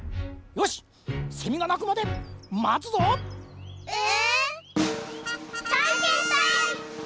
よしっせみがなくまでまつぞ！え？